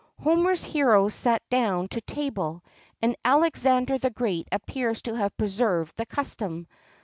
[XXXII 43] Homer's heroes sat down to table,[XXXII 44] and Alexander the Great appears to have preserved the custom.